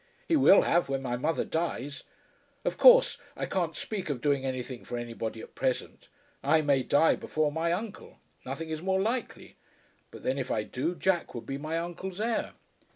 "He will have, when my mother dies. Of course I can't speak of doing anything for anybody at present. I may die before my uncle. Nothing is more likely. But then, if I do, Jack would be my uncle's heir."